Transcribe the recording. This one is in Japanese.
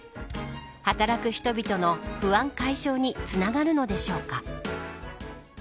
働く人々の不安解消につながるのでしょうか。